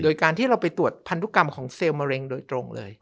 โดยการที่เราไปตรวจพันธุกรรมของเซลล์มะเร็งโดยตรงเลย